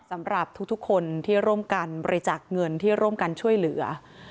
สำหรับทุกคนที่ร่วมกันบริจาคเงินที่ร่วมกันช่วยเหลือ